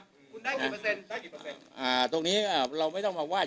ได้กี่เปอร์เซ็นต์ได้กี่เปอร์เซ็นต์อ่าตรงนี้อ่าเราไม่ต้องบอกว่า